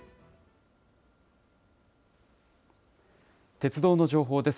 鉄道の情報です。